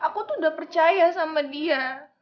aku tuh udah percaya sama dia